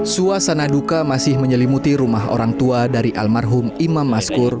suasana duka masih menyelimuti rumah orang tua dari almarhum imam maskur